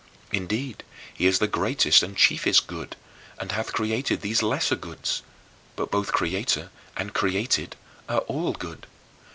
Indeed, he is the greatest and chiefest Good, and hath created these lesser goods; but both Creator and created are all good.